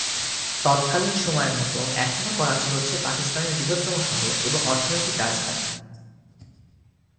তৎকালীন সময়ের মতো এখনও করাচি হচ্ছে পাকিস্তানের বৃহত্তম শহর এবং অর্থনৈতিক রাজধানী।